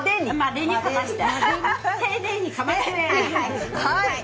丁寧にかまして。